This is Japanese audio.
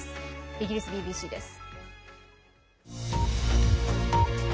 イギリスＢＢＣです。